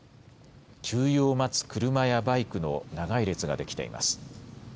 給油を待つ車やバイクの長い列ができています。